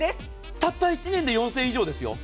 たった１年で４０００円以上ですよ。